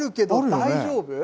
大丈夫？